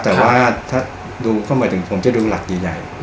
แต่ว่าถ้าดูก็หมายถึงผมจะดูหลักใหญ่